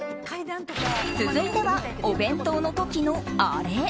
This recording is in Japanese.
続いては、お弁当の時のあれ。